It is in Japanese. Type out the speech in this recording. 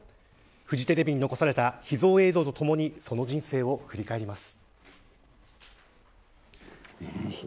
フジテレビに残された秘蔵映像とともにその人生を振り返ります。